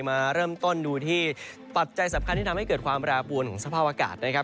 มาเริ่มต้นดูที่ปัจจัยสำคัญที่ทำให้เกิดความแปรปวนของสภาพอากาศนะครับ